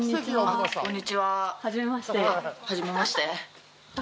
あっはじめまして。